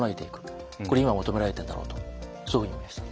これ今求められてるんだろうとそういうふうに思いました。